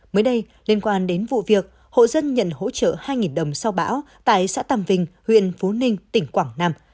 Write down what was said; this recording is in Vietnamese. mới đây liên quan đến vụ việc hộ dân nhận hỗ trợ hai đồng sau bão tại xã tàm vinh huyện phú ninh tỉnh quảng nam